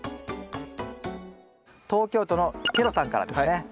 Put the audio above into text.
東京都のｋｅｒｏさんからですね。